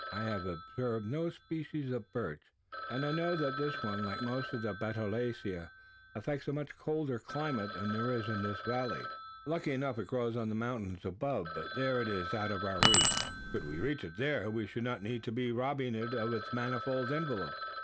I have observed no species of birch; and I know that this one, like most of the Betulaceae, affects a much colder climate than there is in this valley. Likely enough, it grows on the mountains above; but there it is out of our reach. Could we reach it there, we should not need to be robbing it of its manifold envelope.